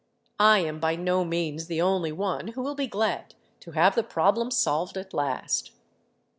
I am by no means the only one who will be glad to have the problem solved at last.